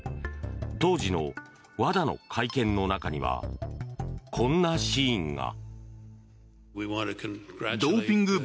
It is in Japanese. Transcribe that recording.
当時のＷＡＤＡの会見の中にはこんなシーンが。